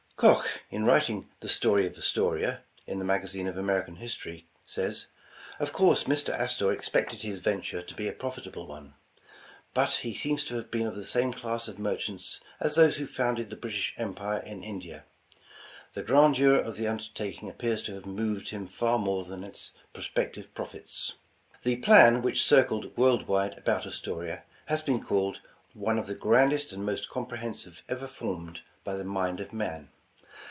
Koch, in writing the ''Story of Astoria" in the Magazine of American History says: ''Of course Mr. Astor expected his venture to be a profitable one; but he seems to have been of the same class of merchants as those who founded the British empire in India. The grandeur of the undertaking appears to have moved him far more than its prospective profits. '' The plan which circled world wide about Astoria, has been called, '' One of the grandest and most compre hensive ever formed by the mind of man."